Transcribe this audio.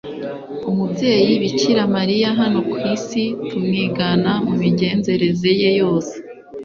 umubyeyi bikira mariya hano ku isi, tumwigana mu migenzereze ye yose.